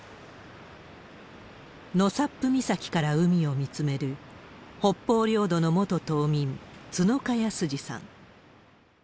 納沙布岬から海を見つめる北方領土の元島民、角鹿泰司さん。